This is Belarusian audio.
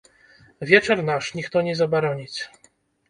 Вечар наш, ніхто не забароніць.